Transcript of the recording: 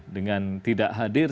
dengan tidak hadir